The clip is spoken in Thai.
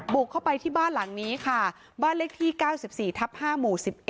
บุกเข้าไปที่บ้านหลังนี้ค่ะบ้านเลขที่๙๔ทับ๕หมู่๑๑